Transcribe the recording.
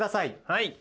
はい。